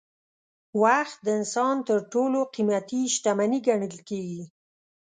وخت د انسان تر ټولو قیمتي شتمني ګڼل کېږي.